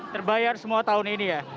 terbayar semua tahun ini ya